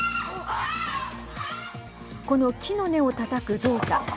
この木の根をたたく動作。